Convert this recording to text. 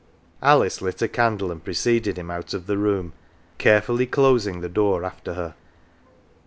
Alice lit a candle and preceded him out of the room, carefully closing the door after her.